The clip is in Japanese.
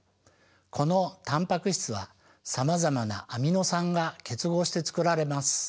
このタンパク質はさまざまなアミノ酸が結合してつくられます。